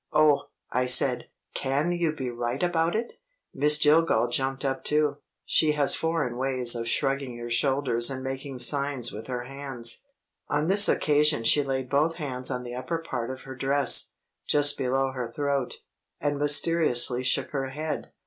"Oh," I said, "can you be right about it?" Miss Jillgall jumped up too. She has foreign ways of shrugging her shoulders and making signs with her hands. On this occasion she laid both hands on the upper part of her dress, just below her throat, and mysteriously shook her head.